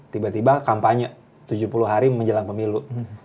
tiba tiba kampanye tujuh puluh hari menjelang pemilu